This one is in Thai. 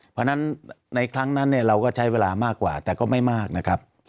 เพราะฉะนั้นในครั้งนั้นเนี่ยเราก็ใช้เวลามากกว่าแต่ก็ไม่มากนะครับ